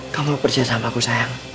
kamu percaya sama aku sayang